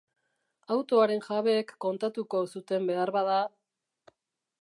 Autoaren jabeek kontatuko zuten beharbada...